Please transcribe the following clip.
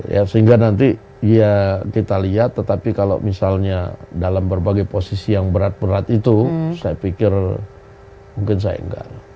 ya sehingga nanti ya kita lihat tetapi kalau misalnya dalam berbagai posisi yang berat berat itu saya pikir mungkin saya enggak